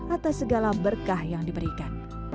atas segala berkah yang diberikan